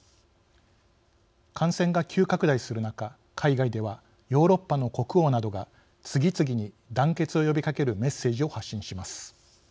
感染が急拡大する中、海外ではヨーロッパの国王などが次々に団結を呼びかけるメッセージを発信します。